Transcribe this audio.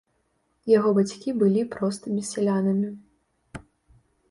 Яго бацькі былі простымі сялянамі.